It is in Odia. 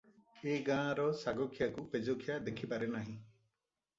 ଏ ଗାଁର ଶାଗଖିଆକୁ ପେଜଖିଆ ଦେଖିପାରେ ନାହିଁ ।